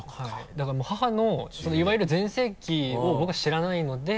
だからもう母のいわゆる全盛期を僕は知らないので。